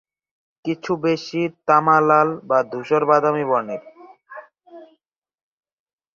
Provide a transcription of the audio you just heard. কিছু বেশি তামা-লাল বা ধূসর-বাদামী বর্ণের।